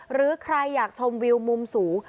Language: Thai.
หรือใครอยากชมวิวมุมสูง